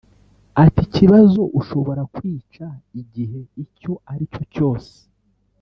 atari ikibazo ushobora kwica igihe icyo ari cyo cyose